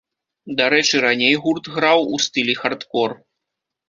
Дарэчы, раней гурт граў у стылі хардкор.